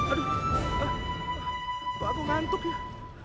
aduh aku ngantuk ya